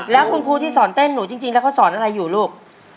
แล้วคุณครูที่สอนเต้นหนูจริงแล้วเขาสอนอะไรอยู่ลูก